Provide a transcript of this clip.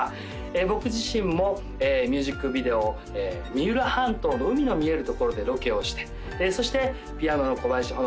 僕自身もミュージックビデオ三浦半島の海の見えるところでロケをしてそしてピアノの小林萌